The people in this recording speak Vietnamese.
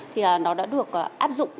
thì nó đã được áp dụng